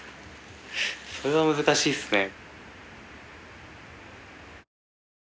それは難しいっすね。